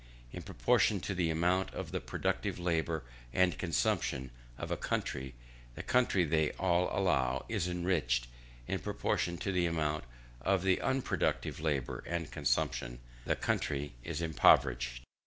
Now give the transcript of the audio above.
In proportion to the amount of the productive labour and consumption of a country, the country, they all allow, is enriched: in proportion to the amount of the unproductive labour and consumption, the country is impoverished.